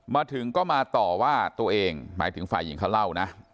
มาถึงก็มาต่อว่าตัวเองหมายถึงฝ่ายหญิงเขาเล่านะ